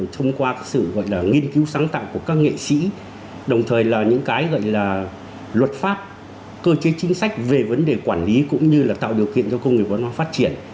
thông qua sự gọi là nghiên cứu sáng tạo của các nghệ sĩ đồng thời là những cái gọi là luật pháp cơ chế chính sách về vấn đề quản lý cũng như là tạo điều kiện cho công nghiệp văn hóa phát triển